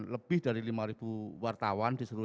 lebih dari lima wartawan di seluruh